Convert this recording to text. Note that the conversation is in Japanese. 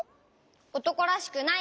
おとこらしくないから！